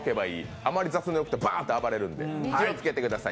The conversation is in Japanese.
あまり雑に置くとバーンと暴れるんで気をつけてください。